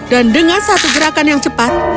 dan dengan satu gerakan yang cepat